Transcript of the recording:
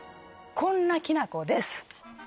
こんなきな粉です